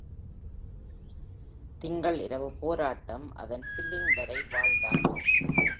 திங்கள் இரவு போராட்டம் அதன் பில்லிங் வரை வாழ்ந்தார்.